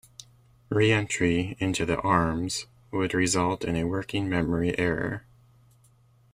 Re-entry into the arms would result in a working memory error.